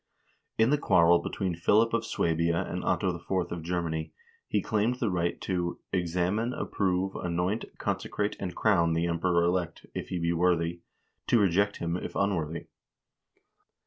In the quarrel between Philip of Swabia and Otto IV. in Germany he claimed the right to "examine, approve, anoint, consecrate, and crown the Em peror elect, if he be worthy; to reject him, if unworthy."